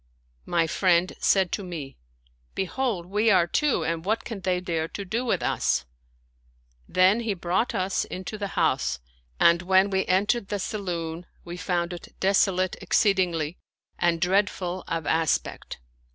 My friend said to me, " Behold, we arc two, and what can they dare to do with us ?" Then he brought us into the house, and when we entered the saloon, we found it desolate exceedingly and dreadful of as pect.